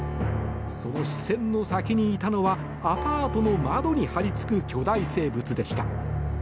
その視線の先にいたのはアパートの窓に張り付く巨大生物でした。